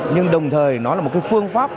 nhưng đồng thời nó là một phương pháp